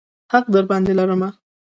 حق درباندې لرمه.